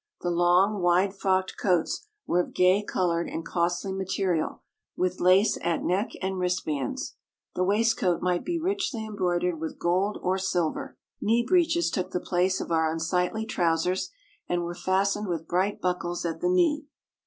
The long, wide frocked coats were of gay coloured and costly material, with lace at neck and wristbands. The waistcoat might be richly embroidered with gold or silver. Knee breeches took the place of our unsightly trousers, and were fastened with bright buckles at the knee.